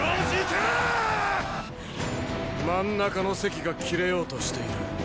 真ん中の堰が切れようとしている。